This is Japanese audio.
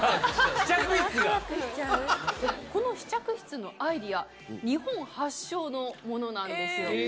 この試着室のアイデア、日本発祥のものなんですよ。